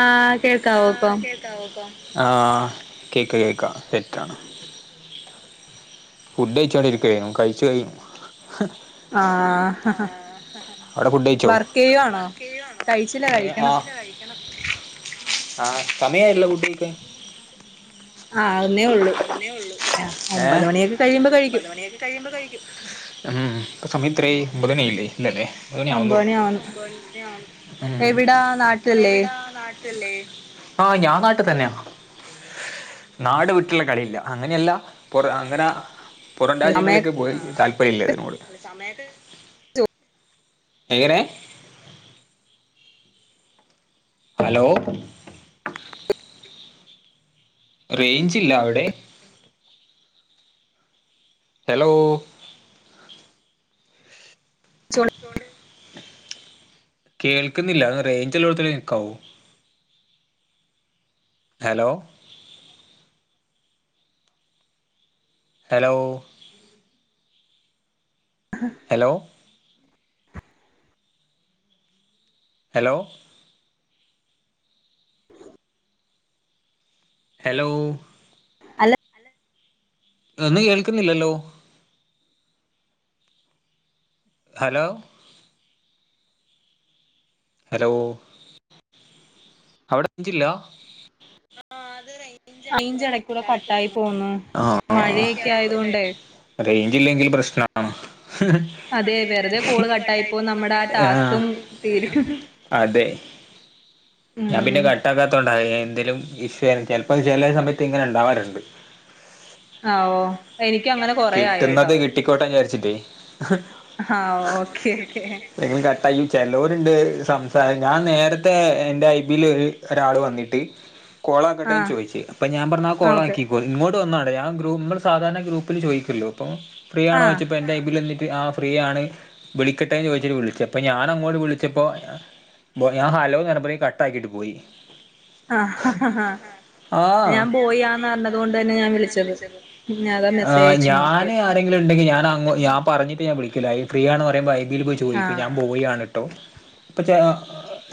ആഹ് കേൾക്കാവോ ഇപ്പം ആഹ് കേക്കാ കേക്കാ സെറ്റാണ് ഫുഡ് കഴിച്ചോണ്ടിരിക്കയിരുന്നു കഴിച്ചു കഴിഞ്ഞു ആഹ് അവിടെ ഫുഡ് കഴിച്ചോ വർക്ക് ചെയ്യുവാണോ കഴിച്ചില്ല ഏ കഴിക്കണം ആഹ് ആഹ് സമയായല്ലോ ഫുഡഴിക്കാൻ ആവുന്നേ ഒള്ളൂ ആ ഒമ്പത് മണിയൊക്കെ കഴിയുമ്പോ കഴിക്കും കഴിയുമ്പ കഴിക്കും ഉം സമയെത്ര ആയി [unintelligible] ഇല്ലല്ലേ പത്തുമണി ആവുന്നേ ഒമ്പത് ഉള്ളൂ മണി ആവുന്നു എവിടാ നാട്ടിലല്ലേ ആഹ് ഞാൻ നാട്ടിൽ തന്നെയാ നാട് വിട്ടുള്ള കളിയില്ല അങ്ങനെയല്ല പുറ അങ്ങനെ പുറം സമയൊക്കെ രാജ്യങ്ങളൊക്കെ പോയി താല്പര്യല്ല ഇതിനോട് എങ്ങനെ ഹലോ റേഞ്ചില്ല അവിടെ ഹലോ ചോദിച്ചോണ്ട് കേൾക്കുന്നില്ല ഒന്ന് റേഞ്ച് ഉള്ളിടത്ത് നിൽക്കാവോ ഹലോ ഹലോ ആഹ് ഹലോ ഹലോ ഹലോ ഹലോ ഇത് ഒന്നും കേൾക്കുന്നില്ലല്ലോ ഹലോ ഹലോ അവിടെ റെയ്ഞ്ചില്ല റെയ്ഞ്ച് എടക്കൂടെ കട്ടായി പോന്നു മഴയൊക്കെ ആയത് കൊണ്ടേ റേഞ്ചില്ലെങ്കിലും പ്രശ്നാണ് അതെ അതെ വെറുതെ കോള് കോൾ കട്ടായിപ്പോ നമ്മുടെ ആ ടാസ്കും നമ്മടെതും [inaudible] തീരും അതെ ഞാൻ ഉം പിന്നെ കട്ടാക്കാത്തോണ്ട എ എന്തേലും ഇഷ്യൂ ചിലപ്പോ ചെല സമയത്ത് ഇങ്ങനെ ഇണ്ടാവാറുണ്ട് ആഹ് ഓ എനിക്കും അങ്ങനെ കൊറേ ആയി കേട്ടോ കിട്ടുന്നത് കിട്ടിക്കോട്ടെന്ന് വിചാരിച്ചിട്ട് ആഹ് ഓക്കെ ഓക്കെ എങ്കിലും കട്ടായി ചിലോരുണ്ട് സംസാരം ഞാൻ നേരത്തെ എന്റെ ഐ ഇതിൽ ഒരു ഒരാൾ വന്നിട്ട് കോളാക്കട്ടെ ആഹ് ചോയ്ച്ച് അപ്പോൾ ഞാൻ പറഞ്ഞു ആ ആഹ് ഓക്കെ കോളാക്കിക്കോ ഇങ്ങോട്ട് വന്നാണ് ഞാൻ സാധാരണ ഗ്രൂപ്പിൽ ചോദിക്കല്ലോ ഇപ്പം ഫ്രീ ആഹ് ആണോച്ചപ്പോൾ എൻ്റെ ഐബിലിൽ വന്നിട്ട് ആ ഫ്രീയാണ് വിളിക്കട്ടെന്ന് ചോദിച്ചിട്ട് വിളിച്ചത് അപ്പോൾ ഞാൻ അങ്ങോട്ട് വിളിച്ചപ്പോൾ ബോ ഞാൻ ഹലോ പറഞ്ഞപ്പോത്തിന് കട്ടാക്കിട്ട് പോയി അഹഹഹ ആഹ ഞാൻ പോയി ആ തന്നെ പറഞ്ഞോടന്നെ ഞാൻ വിളിച്ചത് വിളിച്ചതും പിന്നെ അതാ ഞാ മെസ്സേജ് [inaudible] അയച്ചു ഞാന് നോക്കിയത് ആ ആരെങ്കിലും ണ്ടങ്കിൽ ഞാൻ പറഞ്ഞട്ട് ഞാൻ വിളിക്കല് ഫ്രീയാണോ പയുമ്പോൾ ഐബിൽ പോയി ചോദിക്കും ആഹ് ഞാൻ ബോയ് ആണ് ഇപ്പ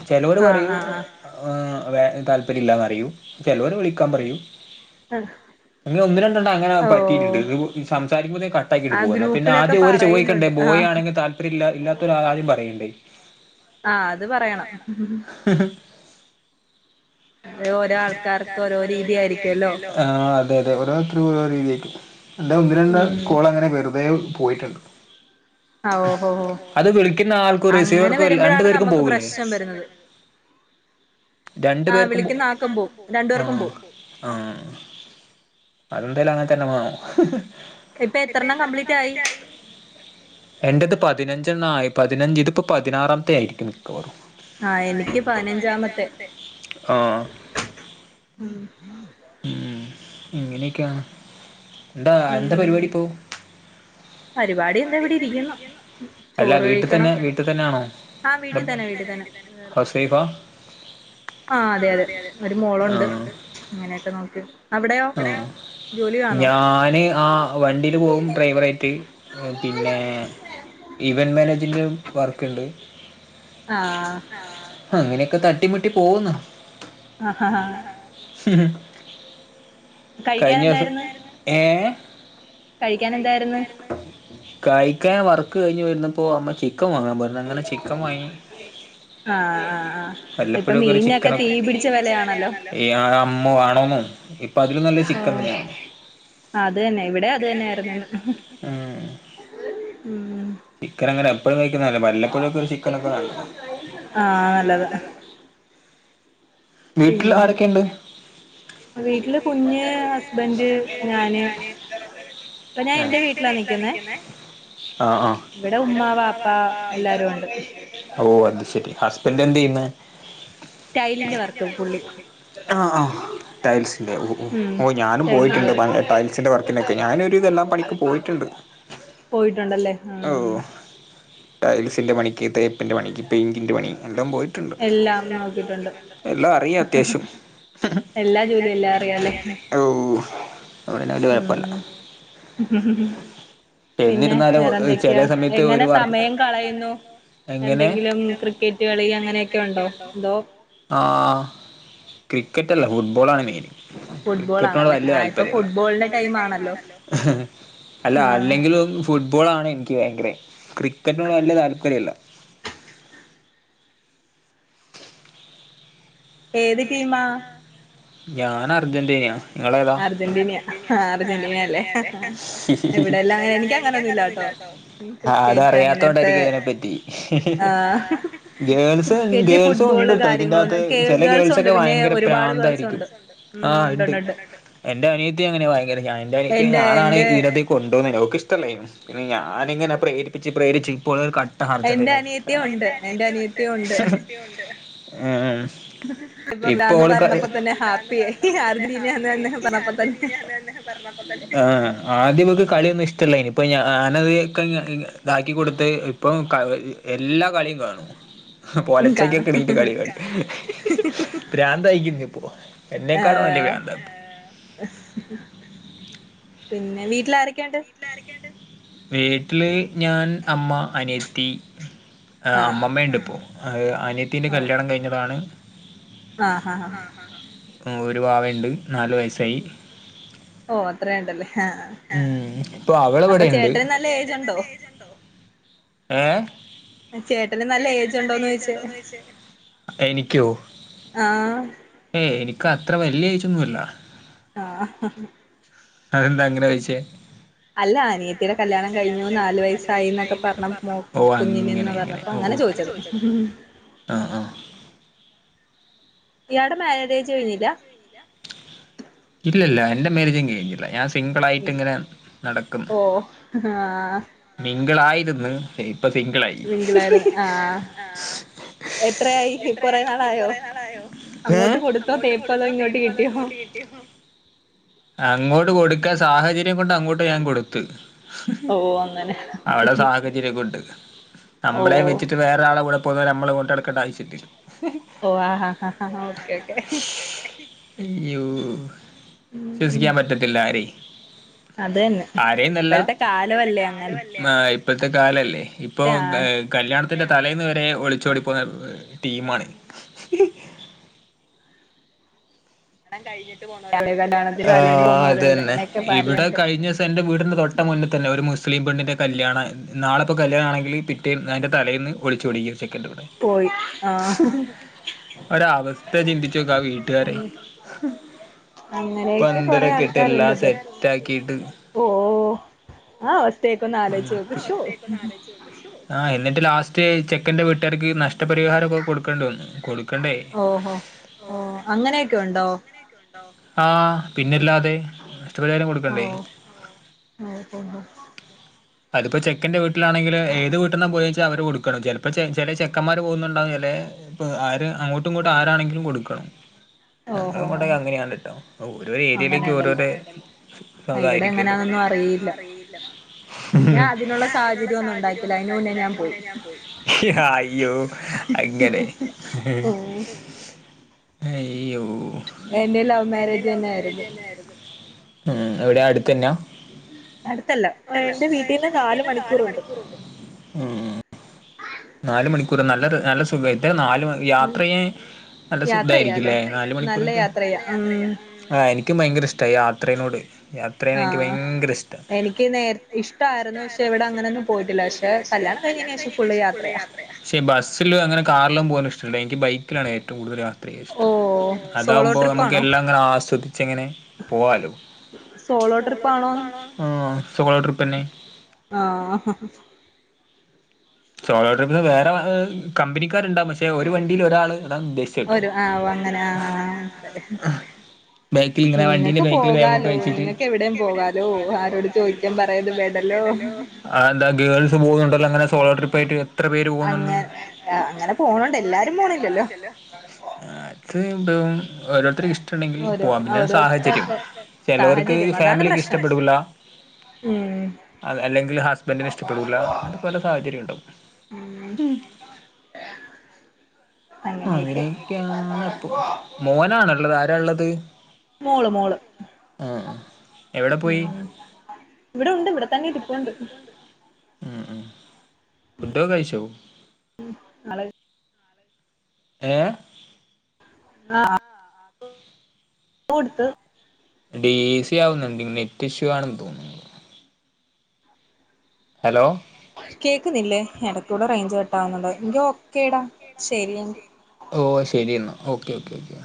ചേലോരു ആഹ് പറയും ആഹ് ആ വേ താല്പര്യം ഇല്ലാന്ന് അറിയും ചിലോര് വിളിക്കാൻ പറയും അഹ് എൻക് ഒന്ന് രണ്ടണ്ണം അങ്ങനെ പറ്റിട്ടുണ്ട് ഇ സംസാരിക്കുമ്പോത്തിന് ആ കട്ടാക്കിയിട്ട് പോക ന്ന പിന്നെ ഗ്രൂപ്പിലൊക്കെ ആദ്യം ഓര് ചോദിക്കണ്ടേ പറയുന്നുണ്ട് ബോയ് ആഹ് ആണെങ്കിൽ താൽപ്പര്യം ഇല്ല ഇല്ലാത്ത ഒരാ ആദ്യം പറയ്ണ്ട് അഹ് അത് പറയണം ഹ്ഹ് ഒരാൾക്കാർക്ക് ഓരോ രീതിയായിരിക്കോലോ ആ അതെ അതെ ഓരോരുത്തരും ഓരോ രീതിയായിരിക്കും എന്റെ ഒന്ന് രണ്ട് ഉം കോൾ അങ്ങനെ വെറുതെ പോയിട്ടുണ്ട്. ഓഹോ അത് വിളിക്കുന്ന ആൾക്കും അങ്ങനെ റിസീവർക്കും രണ്ടു വരുമ്പോഴാണ് പേർക്കും നമ്മുക്ക് പോകൂലേ പ്രശ്നം വരുന്നത് രണ്ടു ആഹ് പേർക്കും [inaudible] വിളിക്കുന്ന ആക്കും നാർത്തെ പോവും രണ്ടു പോകും പേർക്കും ആഹ് പോവും ആഹ് അന്തേലും അങ്ങനെ തന്നെ വാണം. ഇപ്പൊ എത്രണ്ണം കബ്ലീറ്റ് ആയി എന്റെത് പതിനഞ്ചണ്ണം ആയി പതിനഞ്ച് ഇതിപ്പോ പതിനാറാമത്തെ ആയിരിക്കും മിക്കവാറും ആ എനിക്ക് പതിനഞ്ചാമത്തെ. ആ അഹ് ഉം ഇങ്ങനെയൊക്കെയാണ് എന്താ എന്താ ഉം പരിപാടിപ്പോ പരിപാടി എന്താ ഇവിടെ ഇരിക്കുന്നു. അല്ല വീട്ടിൽ തന്നെ വീട്ടിൽ തന്നെ ആണോ? ആഹ വീട്ടിൽ തന്നെ വീട്ടിൽ തന്നെ. വേറെ? ഹൗസ് വൈഫാ? ആ അതെ അതെ ഒരു മോളുണ്ട് ഇങ്ങനെയൊക്കെ നോക്ക്‌ അ ഞാന് ആ ആ വണ്ടിയിൽ പോവും ഡ്രൈവറായിട്ട് പിന്നെ ഇവൻ മാനേജ്ന്റെ വർക്ക്‌ണ്ട്. അഹ് ആഹ് അങ്ങനെയൊക്കെ തട്ടിമുട്ടി പോകുന്നു ആ ഹ് കഴിക്കാൻ കഴിഞ്ഞ ദിവസം എന്തായിരുന്നു ഏഹ് കഴിക്കാൻ എന്തായിരുന്ന്? കഴിക്കാൻ വർക്ക് കഴിഞ്ഞ് വരുന്നപ്പോ അമ്മ ചിക്കൻ വാങ്ങാൻ പറഞ്ഞു അങ്ങനെ ചിക്കൻ വാങ്ങി. ആഹ ആ വല്ലപ്പോഴൊക്കെ ഒരു ചിക്കനൊക്കെ, മീനൊക്കെ തീ പിടിച്ച വെലയാണല്ലോ ഇ അഹ അമ്മോ ആണോന്നോ ഇപ്പം അതിലും നല്ല ചിക്കൻ തന്നെയാണ്. അതന്നെ ഇവിടെ അത് തന്നെയായിയിരുന്നു ഇന്ന് അഹ് ചിക്കൻ അങ്ങനെ എപ്പോഴും കക്കുന്നതല്ല വല്ലപ്പോഴൊക്കെ ഒരു ചിക്കൻ നല്ലതാ ആഹ് നല്ലതാ വീട്ടിൽ പിന്നെ ആരൊക്കെയുണ്ട്? വീട്ടില് കുഞ്ഞ് ഹസ്ബന്റ് ഞാന്. ഞാൻ എന്റെ വീട്ടിലാ നിക്കുന്നേ. ആ ആ ഇവിടെ ഉമ്മ വാപ്പ എല്ലാരും ഉണ്ട് ഓ അത് ശെരി. ഹസ്ബൻഡ് എന്ത് ചെയ്യുന്ന്? ടൈലിന്റെ വർക് ആഹ് ആ ടൈൽസില്ലറെ ഉം ഓ ഞാനും ടൈൽസിന്റെ പോയിട്ടുണ്ട് വർക്ക് പണ്ട് അന്റെ വർക്കിനൊക്കെ ഞാനും ഒരു ഇതെല്ലാം പണിക്ക് പോയിട്ടുണ്ട് പോയിട്ടുണ്ടല്ലേ ഉം ടൈൽസിൻ്റെ പണിക്ക് തേപ്പിൻ്റെ പണിക്ക് പെയിൻറ്റിൻ്റെ പണി എല്ലാം പോയിട്ടുണ്ട് പോയിട്ടുണ്ട് എല്ലാം അറിയാം അത്യാവശ്യം എല്ലാ ജോലിയും എല്ലാം അറിയാല്ലേ ഓ അവിടെന്ന വല്യ കുഴപ്പല്ല ഉം പിന്നെ എന്നിരുന്നാലും വേറെന്തൊക്കെയാ ചില സമയത്ത് എങ്ങനെ ഒരു വർക്ക് സമയം കളയുന്നു എങ്ങനെ? എന്തെങ്കിലും ക്രിക്കറ്റ് കളി അങ്ങനെയൊക്കെ ഉണ്ടോ? ക്രിക്കറ്റല്ല ഫുട്ബോളാണ് മെയിൻ ഫുട്ബോൾ ക്രിക്കറ്റിനോട് ആണല്ലേ വല്യ ആ ഇപ്പൊ താല്പര്യംല്ല ഫുട്ബോളിന്റെ ടൈം ആണല്ലോ അല്ല ആ അല്ലെങ്കിലും ഫുട്ബോൾ ആാണ് എനിക്ക് ഭയങ്കര ക്രിക്കറ്റിനോട് വല്ല താല്പര്യംല്ല ഏത് ടീമാ ഞാൻ അർജന്റീനയാ നിങ്ങൾ ഏതാ അർജന്റീനയാ അർജന്റീന അർജന്റീന അല്ലേ അർജന്റീനയല്ലേ ഇവിടെല്ലാം അങ്ങനെ എനിക്ക് അങ്ങനൊന്നുംല്ല കേട്ടോ ആഹ് അത് ക്രിക്കറ്റ് അങ്ങനത്തെ അറിയാത്തോണ്ടായിരിക്കും അതിനെ പറ്റി ആഹ് ഗേൾസ് ക്രിക്കറ്റ് ഗേൾസും ഫുട്ബോള് ഉണ്ട്ട്ടോ ഇതിന്റാത്ത് കാര്യങ്ങളൊന്നും കേ ചില ഗേൾസ് ഗേൾസുണ്ട് ഒക്കെ പിന്നെ ഭയങ്കര ഒരുപാട് പ്രാന്തായിരിക്കും ഗേൾസുണ്ട് ഉം ആഹ് ഉണ്ട് എന്റെ അനിയത്തി അങ്ങനെയ ഭയങ്കര ഞൻന്റെ അനിയത്തിയെ എന്റെ ഞാനാണ് എന്റെ ഇതിനാത്തേക്ക് കൊണ്ടോന്ന അവ്ക്കിഷ്ടല്ല പിന്നെ ഞാനിങ്ങനെ പ്രേരിപ്പിച്ച് പ്രേരിച്ച് ഇപ്പോ എന്റെ എൻറെ അനിയത്തിയും ഉണ്ട് അനിയത്തിം എന്റെ ഒണ്ട് അനിയത്തിയും ഉണ്ട് എന്റെ അനിയത്തിം ഒണ്ട് [unintelligible] [inaudible] ഇപ്പോ പറഞ്ഞപ്പോ തന്നെ ഇതാണ് ഹാപ്പിയായി പറഞ്ഞപ്പ തന്നെ അർജന്റീനന്ന് ഹാപ്പിയായ് പറഞ്ഞപ്പോ തന്നെ അർജന്റീനല്ല തന്നെ ആ ആദ്യവ്ക്ക് കളിയൊന്നും ഇഷ്ടമല്ല ഇനിയിപ്പോ ഞാനത്ക്കെ ഇതാക്കി കൊടുത്ത് ഇപ്പം ക എല്ലാ കളിയും കാണും [unintelligible] [inaudible] കാണും പൊലച്ചക്കൊക്കെ എണീട്ട് കളികണ്ട് പ്രാന്തയിക്കുന്നു ഇപ്പോ എന്നെക്കാളും വലിയ ഏഹ് പ്രാന്താ പിന്നെ വീട്ടിലാരൊക്കെയൊണ്ട് ആരൊക്കെയൊണ്ട് വീട്ടിൽ ഞാൻ അമ്മ അനിയത്തി ആഹ് അമ്മമ്മ ഉണ്ട് ഇപ്പോൾ അ അനത്തിന്റെ ഓ കല്യാണം കഴിഞ്ഞതാണ് ആഹ് ആഹ് ഒരു വാവണ്ട് നാലു വയസ്സായി ഓ അത്ര ഉണ്ടല്ലേ ആഹ് ഉം ഇപ്പൊ അപ്പൊ അവളിവിടെയുണ്ട് ചേട്ടന് നല്ല ഏജ് ഉണ്ടോ ഏഹ് ചേട്ടന് നല്ല ഏജ് ഉണ്ടോന്ന് ചോദിച്ചാ എനിക്കോ ആഹ് ഏ എനിക്ക് അത്ര വല്യ ഏജൊന്നുംല്ല ആഹ് അതെന്താ അങ്ങനെ ചോദിച്ചേ അല്ല അനിയത്തിയുടെ കല്യാണം കഴിഞ്ഞു നാല് വയസായിന്നൊക്കെ പറഞ്ഞ് മ ഓ അങ്ങനെ കുഞ്ഞിനന്ന് പറഞ്ഞ് അപ്പ അങ്ങനെ ചോദിച്ചത് ആഹ് ആഹ് ഇയാടെ മാര്യേജ്ജ് കഴിഞ്ഞില്ല ഇല്ല ഇല്ല എന്റെ മേറ്യേജ് കഴിഞ്ഞില്ല സിംഗിളായിട്ട്ങ്ങനെ നടക്കും ഓ ആഹ് മിംഗിളായിരുന്നു ഇപ്പൊ സിങ്ക്ളായി സിംഗിളായിരുന്നു ആഹ് എത്രയായി കൊറെ എത്രയായി നാളായോ കൊറെേ നാളായോ ആ അങ്ങോട്ട് കൊടുത്തോ അങ്ങോട്ട് തേപ്പ് അതോ കൊടുത്തോ ഇങ്ങോട്ട് തേപ്പ് അതോ കിട്ടിയോ ഇങ്ങോട്ട് കിട്ടിയോ അങ്ങോട്ട് കൊടുക്ക സാഹചര്യം കൊണ്ട് അങ്ങോട്ട് ഞാൻ കൊടുത്ത് ഓ അങ്ങനെ അവളെ സാഹചര്യം കൊണ്ട് ഓ നമ്മളേ വെച്ചിട്ട് വേറെരാളെ കൂടെ അപ്പോ നമ്മൾ കൊണ്ടടുക്കണ്ട ആവശ്യല്ലല്ലൊ ഓ ആഹ് ഹാ ഹാ ഓക്കേ ഓക്കേ അയ്യോ ഉം വിസിക്കൻ പറ്റത്തില്ല ആരെം അത് തന്നെ ആരെന്നല്ല ഇപ്പോഴത്തെ കാലമല്ലേ അങ്ങനത്തെ ആ ഇപ്പത്തെ കാലല്ലേ ഇപ്പൊ ആണ് കല്യാണത്തിൻ്റെ തലേന്ന് വരെ ഒളിച്ചോടിപ്പോകുന്ന ടീമാണ് എല്ലാ കഴിഞ്ഞിട്ട് പോണോരോണ്ടെ കല്യാണത്തിന് തലേന്ന് ആഹ് പോന്നവരുണ്ട് അതന്നെ അങ്ങനെയൊക്കെ ഇവിടെ പലണ്ട് കഴിഞ്ഞ എന്റെ വീടിന്റെ തൊട്ട മുന്നേ തന്നെ ഒരു മുസ്ലിംപെണ്ണ്ന്റെ കല്യാണ നാളെപ്പ കല്യാണെങ്കില് ട്ടിം അതിന്റെ തലേന്ന് ഒളിച്ചോടി ഈ ഒരു ചെക്കൻ്റൂടെ പോയി ആഹ് ഒരവസ്ഥ ചിന്തിച്ചോക്കാ ആ വീട്ടുകാരെ ഉം അങ്ങനെയൊക്കെ കൊറെ പന്തലൊക്കെ ഇട്ട് എല്ലാം ആൾക്കാരുണ്ടല്ലോ സെറ്റ് ആക്കി ഓ ആ അവസ്ത്തെക്കെ ഒന്നാലോയ്ച്ചോക്ക് ശോ ശോ ആഹ് എന്നിട്ട് ലാസ്റ്റ് ചെക്കന്റെ വീട്ടുകാർക്ക് നഷ്ടപരിഹാരക്കെ കൊടുക്കേണ്ടി വന്നു കൊടുക്കണ്ടേ ഓഹോ ഓ അങ്ങനെയൊക്കെ ഉണ്ടോ ആഹ് പിന്നില്ലാതെ ഇഷ്ടപരിഹാരം കൊടു ഓ ഓഹോ ഹോ [unintelligible] അതിപ്പോ ചെക്കൻന്റെ വീട്ടിലാണെങ്കില് ഏത് വീട്ടിൽന്ന പോയിച്ചാ അവര് കൊടുക്കണം ചിലപ്പോ ചില ചെക്കന്മാര് പോകുന്നുണ്ടാവും ചിലെ ഇപ്പൊ ആര് അങ്ങോട്ടും ഇങ്ങോട്ട് ആരാണെങ്കിലും കൊടുക്കണം ഓഹോ ഹോ ഞങ്ങളഅങ്ങോട്ടെക്ക് അങ്ങനെയാണ് ട്ടോ ഓരോ അങ്ങനെ ഏരിയയിലേക്ക് ഉണ്ടല്ലോ ഓരോരോ ഇവിടെ അതായിരിക്കുവല്ലോ എങ്ങനാന്നൊന്നും അറിയില്ല ഞാൻ അതിനുള്ള സാഹചര്യം ഒന്നും ഉണ്ടാക്കില്ല അതിനു മുന്നേ ഞാൻ പോയി അയ്യോ അങ്ങനെ ഉം അയ്യോ എൻ്റെം ലവ് മരേജ് എന്നെ ആയിരുന്നു ഉം എവിടെ അടുത്തന്നെയാ അടുത്തല്ല ലേശം വീട്ടീന്ന് നാല് മണിക്കൂറുണ്ട് മ് മ് നാല് മണിക്കൂറ് നല്ല രസ നല്ല സുഖ എത്രാ നാല് യാത്ര ചെയ്യാൻ നല്ല യാത്ര ചെയ്യാലോ ശുഖായിരിക്കുല്ലേ നാലു നല്ല മണിക്കൂറൊക്കെ യാത്ര നല്ല ചെയ്യാം യാത്രയാ ഉം ആ എനിക്കും ഭയങ്ക ഇഷ്ടായി യാ ആഹ് ഇഷ്ട എനിക്ക് നേര ഇഷ്ടായിരുന്നു പക്ഷെ എവിടെ അങ്ങനൊന്നും പോയിട്ടില്ല ത് കല്യാണം കഴിഞ്ഞന് ശേഷം ഫുള്ള് യാത്രയാ പക്ഷേ ബസ്സിലും അങ്ങനെ കാറിലും പോകാനും ഇഷ്ടില്ല എനിക്ക് ബൈക്കിലാണ് ഏറ്റവും കൂടുതൽ യാത്ര ഓ അത്രഷം സോളോ അതാകുമ്പോ നമുക്ക് ട്രിപ്പാണോ എല്ലാം അങ്ങനെ ആസ്വദിച്ചങ്ങനെ പോവാലോ സോളോ ട്രിപ്പാണോ ആ സോളോ ട്രിപ്പ് തന്നെ ആഹ് സോളോ ട്രിപ്പിന് വേറെ കമ്പനിക്കാരുണ്ടാ ഒരു ആ അങ്ങനെ ആ വങ്ങനെ ആ ആഹ് മനസിലായി ബേക്കിൽ ഇങ്ങനെ വണ്ടീന്റെ നിങ്ങൾക്ക് ബേക്കിൽ ബേഗൊക്കെ പോകാലോ വെച്ചിട്ട് നിങ്ങൾക്ക് എവിടെയും പോകാലോ ആരോടും ചോദിക്ക പറയോന്നും ബേണ്ടല്ലോ ആയെന്ത എന്താ ഗേൾസ് പോന്നുണ്ടല്ലോങ്ങനെ സോളോട്രിപ്പ് അങ്ങെ അങ്ങനെ പോണണ്ട് എല്ലാരും പോണില്ലല്ലോ അത് ഇപ്പം ഓരോരുത്തർക്കും ഇഷ്ടുണ്ടെങ്കിൽ ഓരോ പോകാം പിന്നെ അത് സാഹചര്യം ഓരോരുത്തരുടെ ചെലോർക്ക് സാഹചര്യം അതാണ് ഫാമിലിക്ക് പ്രശ്നം ഇഷ്ടപ്പെടൂല്ല ഉം അത് അല്ലെങ്കിൽ ഹസ്ബന്റിന് ഇഷ്ടപ്പെടൂല്ല അത് പല സാഹചര്യണ്ടാവും ഉം അങ്ങനെയൊക്കെ അങ്ങനെ യാണപ്പ മോനാണുള്ളത് ആരാള്ളത് മോള് മോള് ആഹ് എവിടെ പോയി ഉം ഇവിടെ ഉണ്ട് ഇവിടെ തന്നെ ഇപ്പോണ്ട് ഫുഡൊക്കെകയിച്ചോ ഉം ആള് ഏഹ് [unintelligible] കൊടുത്ത് ഡീസി ആവുന്നുണ്ട് നെറ്റ് ഇഷ്യൂ ആണെന്ന് തോന്നുന്നു ഹലോ കേക്കുന്നില്ലേ എടക്കൂടെ റേഞ്ച് കെട്ടാവുന്നുണ്ടോ എങ്കി ഓക്കേടാ ശരിയെങ്കി ഓഹ് ശരി എന്നാ ഓക്കെ ഓക്കെ ഓക്കെ